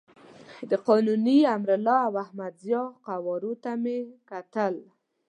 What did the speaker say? د قانوني، امرالله او احمد ضیاء قوارو ته مې کتل.